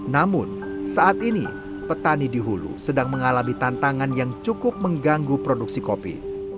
namun saat ini petani di hulu sedang mengalami tantangan yang cukup mengganggu produksi kopi